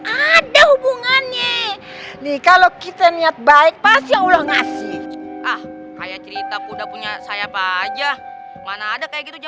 ada hubungannya nih kalau kita niat baik pasang nah ah t declaration saya baje mana ada kayak gitu